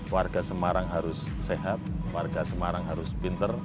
warga semarang harus sehat warga semarang harus pinter